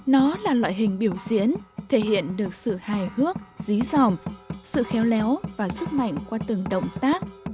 nó là loại hình biểu diễn thể hiện được sự hài hước dí dòm sự khéo léo và sức mạnh qua từng động tác